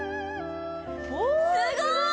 おすごい。